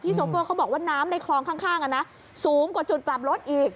โชเฟอร์เขาบอกว่าน้ำในคลองข้างสูงกว่าจุดกลับรถอีก